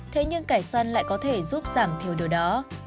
thế nhưng cải xoăn lại có thể giúp giảm thiểu điều đó